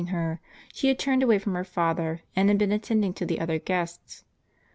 ing her, she had turned away from her father, and had been attending to the other guests.